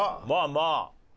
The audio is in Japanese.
まあまあ。